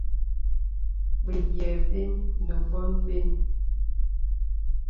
Bəyìɛ bən nə bɔ̄n bən.